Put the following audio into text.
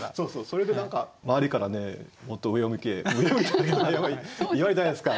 それで何か周りからねもっと上を向け上を見て言われるじゃないですか。